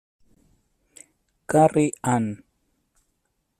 Carrie Ann".